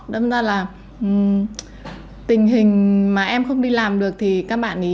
đâm ra là tình hình mà em không đi làm được thì các bạn ý không có đồ ăn